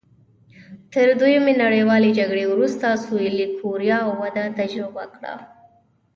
تر دویمې نړیوالې جګړې وروسته سوېلي کوریا وده تجربه کړه.